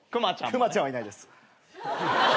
熊ちゃんはいないです。